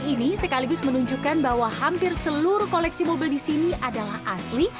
ini sekaligus menunjukkan bahwa hampir seluruh koleksi mobil di sini adalah asli